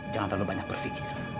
jangan terlalu banyak berpikir